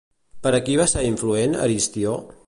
Per a qui va ser influent, Aristió?